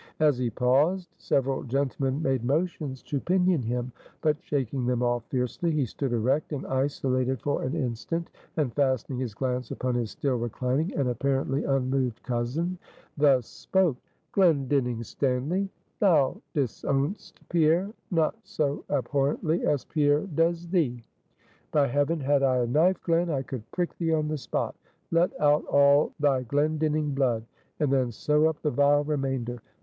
As he paused, several gentlemen made motions to pinion him; but shaking them off fiercely, he stood erect, and isolated for an instant, and fastening his glance upon his still reclining, and apparently unmoved cousin, thus spoke: "Glendinning Stanly, thou disown'st Pierre not so abhorrently as Pierre does thee. By Heaven, had I a knife, Glen, I could prick thee on the spot; let out all thy Glendinning blood, and then sew up the vile remainder.